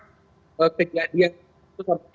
tapi ini kalau ada satu short